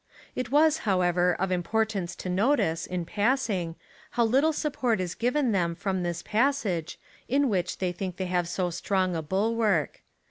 It was, however, of importance to notice, in passing, how little support is given them from this passage, in which they think they have so strong a bulwark.